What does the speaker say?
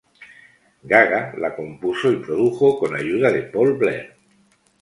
Gaga la compuso y produjo con ayuda de Paul Blair.